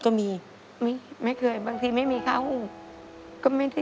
อเรนนี่ต้องมีวัคซีนตัวหนึ่งเพื่อที่จะช่วยดูแลพวกม้ามและก็ระบบในร่างกาย